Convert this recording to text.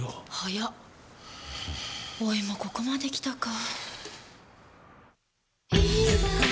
老いもここまで来たか。